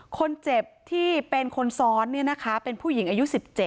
คนเจ็บที่เป็นคนซ้อนเป็นผู้หญิงอายุ๑๗